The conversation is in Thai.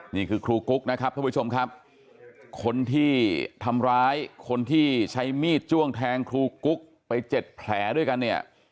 นี่คือครูกุ๊กนะครับท่านผู้ชมครับคนที่ทำร้ายคนที่ใช้มีดจ้วงแทงครูกุ๊กไปเจ็ดแผลด้วยกันเนี่ย